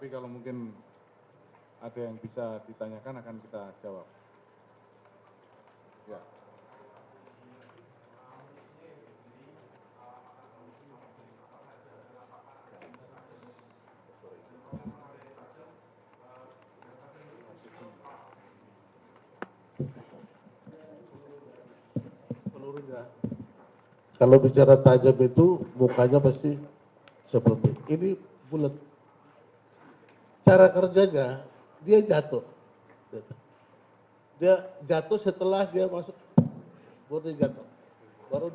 kalau yang ini ini semua ditempelkan ke senjata lima lima puluh enam